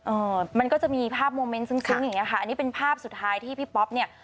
เอ่อมันก็จะมีภาพโมเมนต์ซึ้งอย่างเงี้ค่ะอันนี้เป็นภาพสุดท้ายที่พี่ป๊อปเนี่ย